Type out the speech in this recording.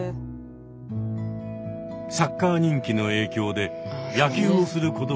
サッカー人気の影響で野球をする子どもが激減。